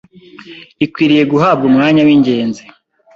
ikwiriye guhabwa umwanya w’ingenzi